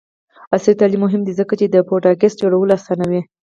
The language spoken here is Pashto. عصري تعلیم مهم دی ځکه چې د پوډکاسټ جوړولو اسانوي.